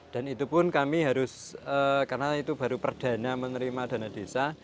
dan itu pun kami harus karena itu baru perdana menerima dana desa